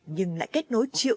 nhưng lại kết nối triệu triệu